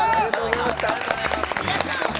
ありがとうございます。